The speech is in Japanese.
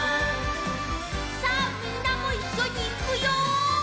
さあみんなもいっしょにいくよ！